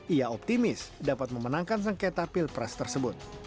ia optimis dapat memenangkan sengketa pilpres tersebut